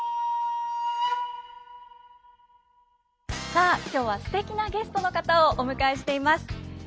さあ今日はすてきなゲストの方をお迎えしています。